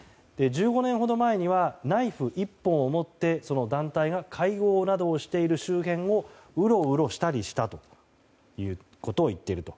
１５年ほど前にはナイフ１本を持って、その団体が会合などをしている周辺をうろうろしたりしたということを言っていると。